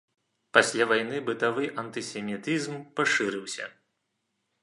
Пасля вайны бытавы антысемітызм пашырыўся.